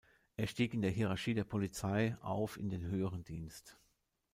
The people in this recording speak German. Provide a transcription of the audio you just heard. Er stieg in der Hierarchie der Polizei auf in den höheren Dienst.